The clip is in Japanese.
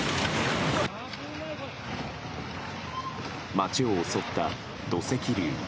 街を襲った土石流。